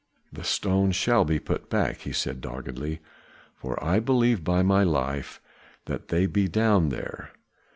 "The stone shall be put back," he said doggedly, "for I believe, by my life, that they be down there.